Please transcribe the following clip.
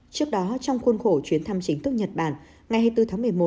trước đó trong khuôn khổ chuyến thăm chính thức nhật bản ngày hai mươi bốn tháng một mươi một